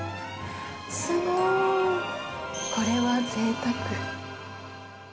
すごい、これはぜいたく。